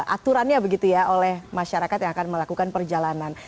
aturannya begitu ya oleh masyarakat yang akan melakukan perjalanan